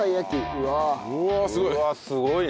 うわあすごいね。